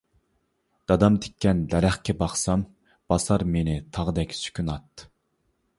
دادام تىككەن دەرەخكە باقسام، باسار مېنى تاغدەك سۈكۈنات.